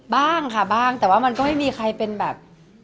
บ้างค่ะบ้างแต่ว่ามันก็ไม่มีใครเป็นแบบ